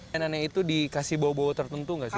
mainannya itu dikasih bawa bawa tertentu nggak sih